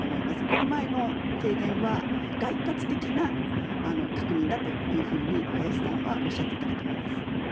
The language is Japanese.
この前の提言は概括的な確認だというふうに林さんはおっしゃっていたかと思います。